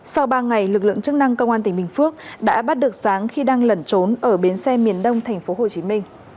sau ba ngày lực lượng chức năng công an tỉnh bình phước đã bắt được sáng khi đang lẩn trốn ở bến xe miền đông tp hcm